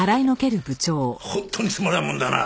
本当につまらんもんだな！